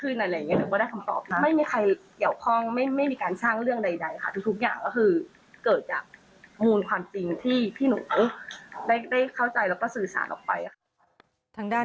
การที่ทางนี้มีการออกหมายจับเมฆพิมายาเพียงคนเดียวนะค่ะ